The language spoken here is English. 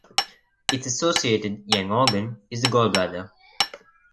Its associated yang organ is the Gallbladder.